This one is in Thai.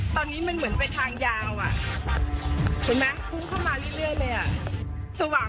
ตอนนี้มันเหมือนไปทางยาวอ่ะเห็นไหมพุ่งเข้ามาเรื่อยเลยอ่ะ